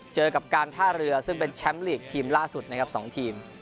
เจอกับการท่าเรือซึ่งเป็นแชมป์ลีกทีมล่าสุดนะครับ๒ทีม